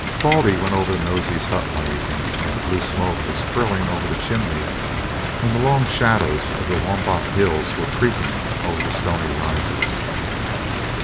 Baldy went over to Nosey's hut one evening when the blue smoke was curling over the chimney, and the long shadows of the Wombat Hills were creeping over the Stoney Rises.